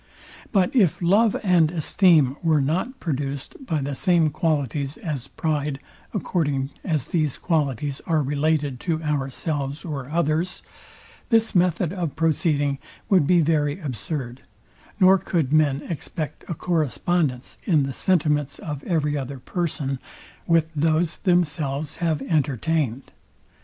But if love and esteem were not produced by the same qualities as pride, according as these qualities are related to ourselves or others, this method of proceeding would be very absurd, nor could men expect a correspondence in the sentiments of every other person, with those themselves have entertained.